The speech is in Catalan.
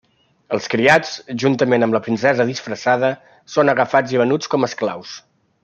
Els criats, juntament amb la princesa disfressada, són agafats i venuts com a esclaus.